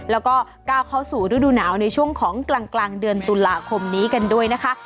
แล้วก็ก้าวเข้าสู่ฤดูหนาวในช่วงของกลางเดือนตุลาคมนี้กันด้วยนะคะ